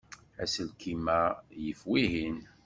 Aselkim-a yif wihin.